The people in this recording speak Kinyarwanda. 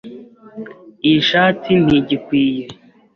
Iyi shati ntigikwiye.